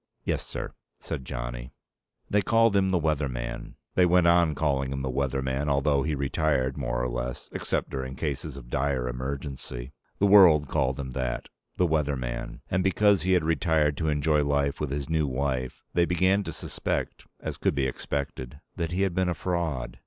"Yes, sir," said Johnny. They called him the Weather Man. They went on calling him the Weather Man, although he retired more or less except during cases of dire emergency. The world called him that, the Weather Man. And, because he had retired to enjoy life with his new wife, they began to suspect, as could be expected, that he had been a fraud.